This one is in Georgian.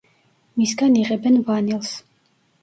მისგან იღებენ ვანილს.